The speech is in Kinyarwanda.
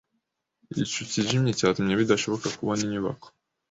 Igicu cyijimye cyatumye bidashoboka kubona inyubako.